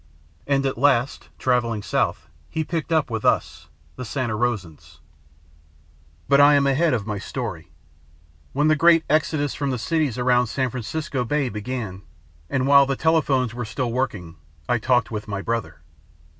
And at last, travelling south, he picked up with us, the Santa Rosans. "But I am ahead of my story. When the great exodus from the cities around San Francisco Bay began, and while the telephones were still working, I talked with my brother.